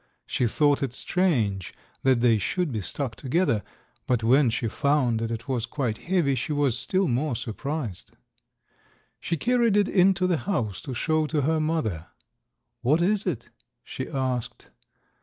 She thought it strange that they should be stuck together, and when she found that it was quite heavy she was still more surprised. She carried it into the house to show to her mother. "What is it?" she asked.